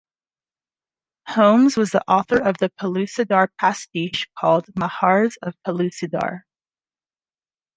Holmes was the author of the Pellucidar pastiche called "Mahars of Pellucidar".